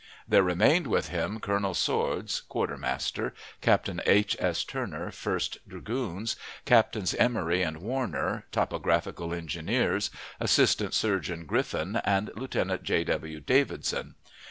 There remained with him Colonel Swords, quartermaster; Captain H. S. Turner, First Dragoons; Captains Emory and Warner, Topographical Engineers; Assistant Surgeon Griffin, and Lieutenant J. W. Davidson.